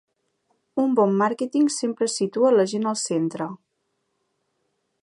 Un bon màrqueting sempre situa la gent al centre.